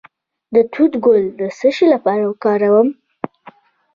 د توت ګل د څه لپاره وکاروم؟